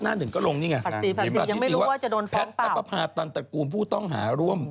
ปฏิเสธยังไม่รู้ว่าจะโดนฟ้องเปล่าปฏิเสธว่าแพทย์ทัพภาพตันตร์กลุ่มผู้ต้องหาร่วม